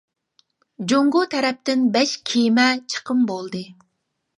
جۇڭگو تەرەپتىن بەش كېمە چىقىم بولدى.